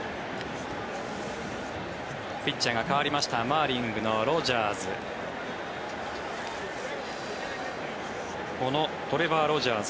ピッチャーが代わりましたマーリンズのロジャーズ。